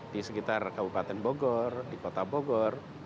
di sekitar kabupaten bogor di kota bogor